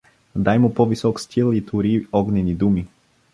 Дай му по-висок стил и тури огнени думи.